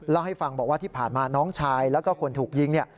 เล่าให้ฟังบอกว่าที่ผ่านมาน้องชายแล้วก็คนถูกยิงเนี่ย